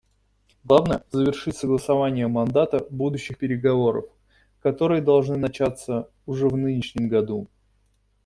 Главное — завершить согласование мандата будущих переговоров, которые должны начаться уже в нынешнем году.